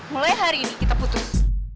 mulai hari ini kita putus